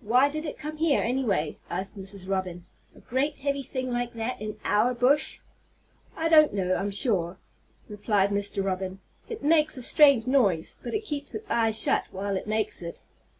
"Why did it come here, any way?" asked Mrs. Robin. "A great heavy thing like that in our bush!" "I don't know, I'm sure," replied Mr. Robin. "It makes a strange noise, but it keeps its eyes shut while it makes it."